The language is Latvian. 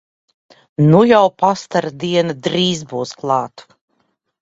Nu jau pastara diena būs drīz klāt!